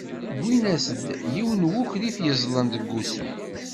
Wwin-as-d yiwen n wukrif yeẓẓlen deg wusu.